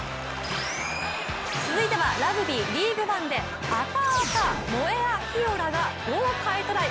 続いてはＲＵＧＢＹＬＥＡＧＵＥＯＮＥでアタアタ・モエアキオラが豪快トライ。